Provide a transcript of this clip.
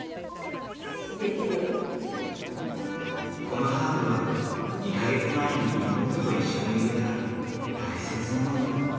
このハーブは２か月前に妹と一緒に植えた大切なもの。